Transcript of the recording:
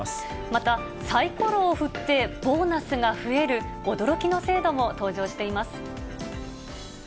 また、さいころを振ってボーナスが増える驚きの制度も登場しています。